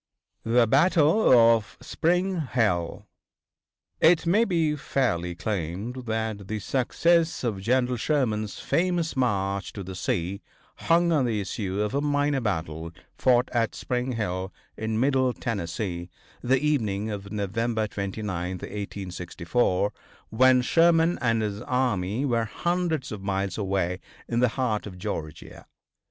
THE BATTLE OF SPRING HILL. It may be fairly claimed that the success of General Sherman's famous March to the Sea hung on the issue of a minor battle fought at Spring Hill, in Middle Tennessee, the evening of November 29th, 1864, when Sherman and his army were hundreds of miles away in the heart of Georgia.